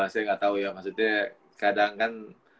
saya gak tau ya maksudnya kadang kan